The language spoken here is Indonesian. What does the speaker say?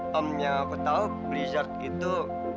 hmm yang aku tau blizzard itu